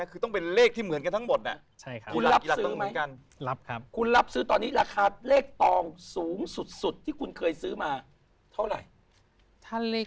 คุณเคยซื้อมาเท่าไหร่